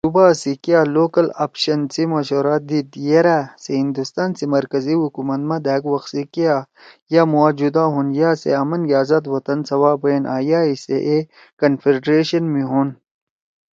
کرِپس یام صوبا سی کیا لوکل آپشن (Local option) سی مشورہ دیِد یرأ سے ہندوستان سی مرکزی حکومت ما دھأک وَخ سی کیا یا مُوا جُدا ہون یا سے آمنگے آزاد وطن سوا بیَن آں یا ئی سے اے کنفیڈریشن (Confederation) می ہون